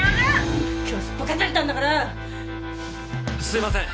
すいません。